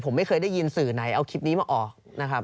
ผมไม่เคยได้ยินสื่อไหนเอาคลิปนี้มาออกนะครับ